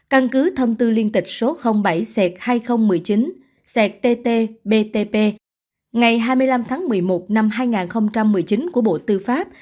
căn cứ thông tư liên tịch số bảy c hai nghìn một mươi chín ctt btp ngày hai mươi năm tháng một mươi một năm hai nghìn một mươi chín của bộ tư pháp